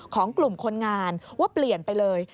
ของกลุ่มคนงานว่าเปลี่ยนไปเลย